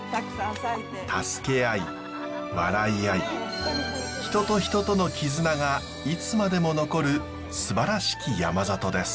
助け合い笑い合い人と人との絆がいつまでも残るすばらしき山里です。